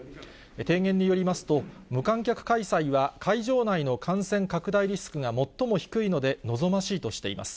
提言によりますと、無観客開催は、会場内の感染拡大リスクが最も低いので望ましいとしています。